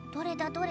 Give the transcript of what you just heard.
どれ？